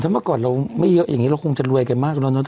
เมื่อก่อนเราไม่เยอะอย่างนี้เราคงจะรวยกันมากแล้วเนอ